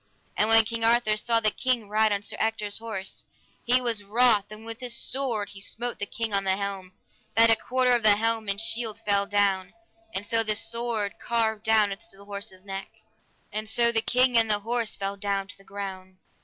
And when King Arthur saw the king ride on Sir Ector's horse, he was wroth and with his sword he smote the king on the helm, that a quarter of the helm and shield fell down, and so the sword carved down unto the horse's neck, and so the king and the horse fell down to the ground.